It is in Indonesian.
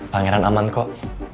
pangeran aman kok